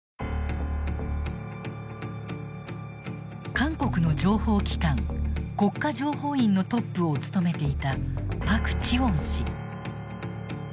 韓国の情報機関国家情報院のトップを務めていたパク・チウォン氏。